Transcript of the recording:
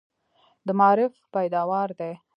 د معارف پیداوار دي.